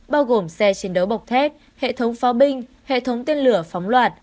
bao gồm xe chiến đấu bọc thép hệ thống pháo binh hệ thống tên lửa phóng loạt